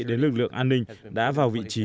đến lực lượng an ninh đã vào vị trí